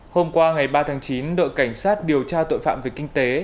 hôm qua ngày ba tháng chín đội cảnh sát điều tra tội phạm về kinh tế